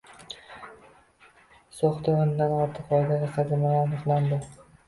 So‘xda o‘ndan ortiq foydali qazilmalar aniqlandi